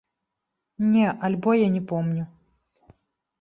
Не, альбо я не помню.